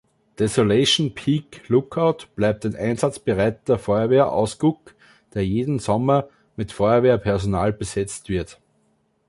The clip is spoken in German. Desolation Peak Lookout bleibt ein einsatzbereiter Feuerwehr-Ausguck, der jeden Sommer mit Feuerwehrpersonal besetzt wird.